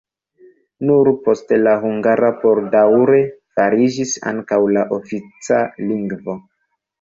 Nur poste la hungara por daŭre fariĝis ankaŭ la ofica lingvo.